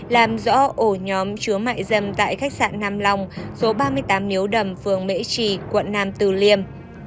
làm rõ ổ nhóm chứa mại dâm tại khách sạn nam long số ba mươi tám miếu đầm phường mễ trì quận nam từ liêm